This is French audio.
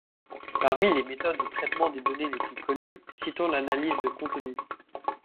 Parmi les méthodes de traitement des données les plus connues, citons l'analyse de contenu.